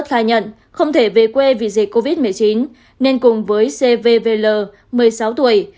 khai nhận không thể về quê vì dịch covid một mươi chín nên cùng với cvvl một mươi sáu tuổi